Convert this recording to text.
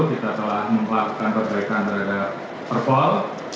kita telah melakukan perbaikan terhadap perpol